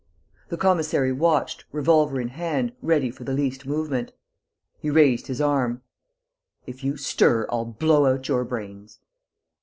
The commissary watched, revolver in hand, ready for the least movement. He raised his arm: "If you stir, I'll blow out your brains!"